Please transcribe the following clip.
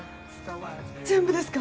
全部ですか？